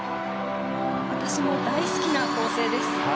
私も大好きな構成です。